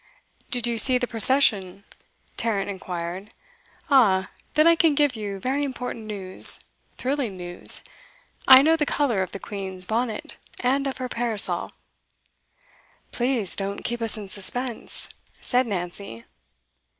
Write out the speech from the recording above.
'Did you see the procession?' Tarrant inquired. 'Ah, then I can give you very important news thrilling news. I know the colour of the Queen's bonnet, and of her parasol.' 'Please don't keep us in suspense,' said Nancy.